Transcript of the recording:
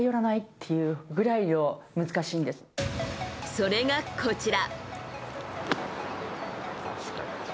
それが、こちら。